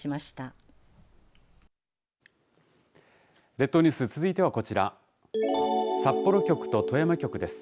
列島ニュース続いてはこちら札幌局と富山局です。